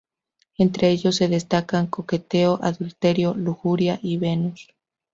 Entre ellos se destacan Coqueteo, Adulterio, Lujuria y Venus.